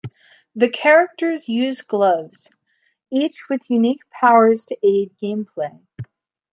The characters use gloves, each with unique powers to aid gameplay.